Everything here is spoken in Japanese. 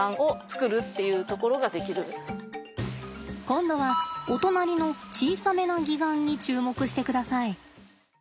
今度はお隣の小さめな擬岩に注目してください。